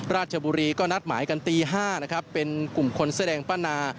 ราชบุรีก็นัดหมายกันตี๕นะครับเป็นกลุ่มคนเสื้อแดงป้านา